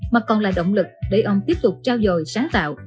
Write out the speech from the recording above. mà còn là động lực để ông tiếp tục trao dồi sáng tạo